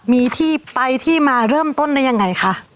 มีที่ไปที่มาเริ่มต้นได้ยังไงคะ